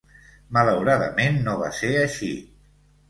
Malauradament no va ser així.